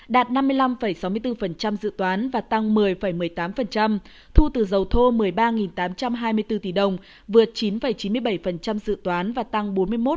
đạt năm mươi năm sáu mươi bốn dự toán và tăng một mươi một mươi tám thu từ dầu thô một mươi ba tám trăm hai mươi bốn tỷ đồng vượt chín chín mươi bảy dự toán và tăng bốn mươi một chín